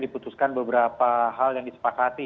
diputuskan beberapa hal yang disepakati